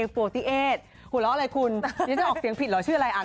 หัวเราะอะไรคุณนี่จะออกเสียงผิดเหรอชื่ออะไรอ่านสิ